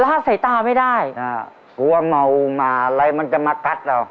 ลาดสายตาไม่ได้อ่ากลัวเมามาอะไรมันจะมากัดเรา